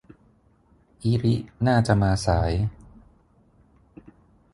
อิริน่าจะมาสาย